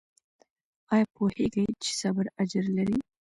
ایا پوهیږئ چې صبر اجر لري؟